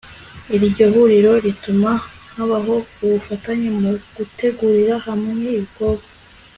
iryo huriro rituma habaho ubufatanye mu gutegurira hamwe ibikorwa